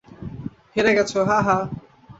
হেরে গেছো, হাহা!